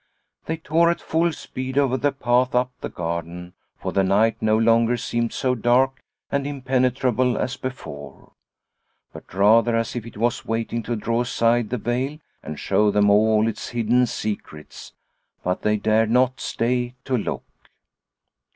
They tore at full speed over the path up the garden, for the night no longer seemed so dark and impenetrable as before, but rather as if it was waiting to draw aside the veil, and show them all its hidden secrets, but they dared not stay to look.